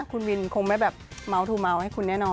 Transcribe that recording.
คุณวินคงไม่แบบเมาส์ทูเมาส์ให้คุณแน่นอน